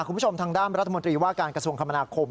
คุณผู้ชมทางด้านรัฐมนตรีว่าการกระทรวงคมนาคม